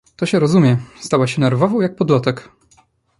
"To się rozumie!“ Stała się nerwową, jak podlotek."